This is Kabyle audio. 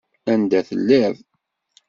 Anda telliḍ?